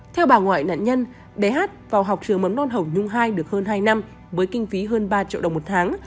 theo bà ngoại nạn nhân bé hát vào học trường mầm non hồng nhung hai được hơn hai năm với kinh phí hơn ba triệu đồng một tháng